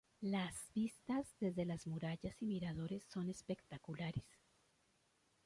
Las vistas desde las murallas y miradores son espectaculares.